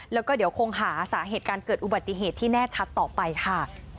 แล้วก็เดี๋ยวคงหาสาเหตุการเกิดอุบัติเหตุที่แน่ชัดต่อไปค่ะ